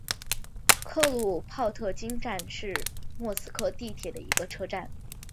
克鲁泡特金站是莫斯科地铁的一个车站。